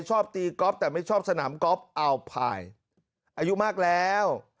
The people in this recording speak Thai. ชอบตีก๊อฟแต่ไม่ชอบสนามก๊อฟเอาพายอายุมากแล้ว